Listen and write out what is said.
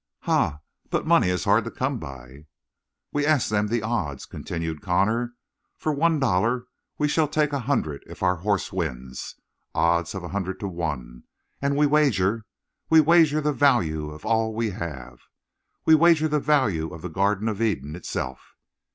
"Ha? But money is hard to come by." "We ask them the odds," continued Connor. "For one dollar we shall take a hundred if our horse wins odds of a hundred to one! And we wager. We wager the value of all we have. We wager the value of the Garden of Eden itself!"